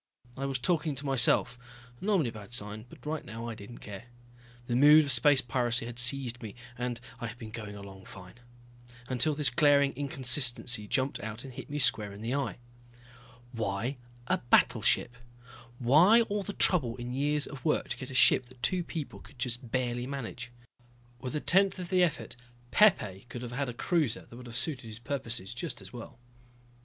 I was talking to myself, normally a bad sign, but right now I didn't care. The mood of space piracy had seized me and I had been going along fine. Until this glaring inconsistency jumped out and hit me square in the eye. Why a battleship? Why all the trouble and years of work to get a ship that two people could just barely manage? With a tenth of the effort Pepe could have had a cruiser that would have suited his purposes just as well.